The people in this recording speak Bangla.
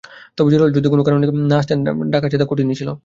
তবে জহুরুল যদি শেষ করে না আসতেন, ঢাকার জেতা কঠিনই ছিল।